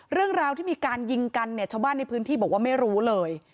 เรื่องราวที่มีการยิงกันเนี่ยชาวบ้านในพื้นที่บอกว่าไม่รู้เลย